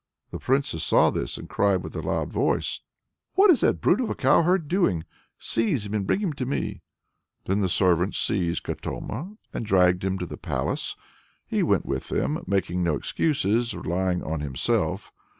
The Princess saw this, and cried with a loud voice: "What is that brute of a cowherd doing? Seize him and bring him to me!" Then the servants seized Katoma and dragged him to the palace. He went with them, making no excuses, relying on himself.